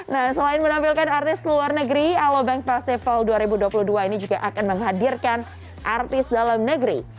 nah selain menampilkan artis luar negeri alobank festival dua ribu dua puluh dua ini juga akan menghadirkan artis dalam negeri